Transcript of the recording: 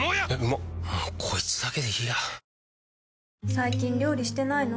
最近料理してないの？